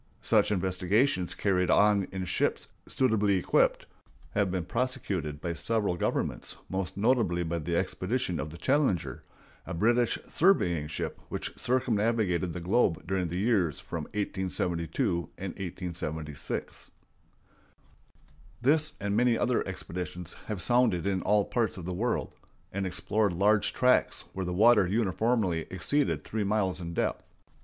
Such investigations, carried on in ships suitably equipped, have been prosecuted by several governments, most notably by the expedition of the Challenger, a British surveying ship which circumnavigated the globe during the years from 1872 to 1876. [Illustration: SEA CAVE NEAR GIANT'S CAUSEWAY, NORTH OF IRELAND.] This and many other expeditions have sounded in all parts of the world, and explored large tracts where the water uniformly exceeded three miles in depth.